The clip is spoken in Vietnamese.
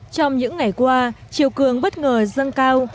trong những ngày qua chiều cường bất ngờ dâng cao